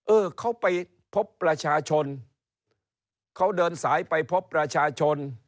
เออเขาไปพบประชาชนเขาเดินสายไปพบประชาชน